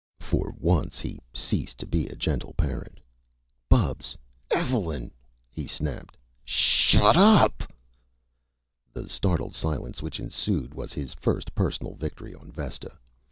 For once he ceased to be a gentle parent. "Bubs! Evelyn!" he snapped. "Shud d d up p p!..." The startled silence which ensued was his first personal victory on Vesta.